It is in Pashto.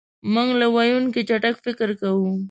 مونږ له ویونکي چټک فکر کوو.